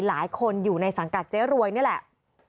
หลายคนอยู่ในสังกัดเจ๊รวยนี่แหละ